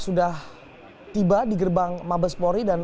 sudah tiba di gerbang mabespori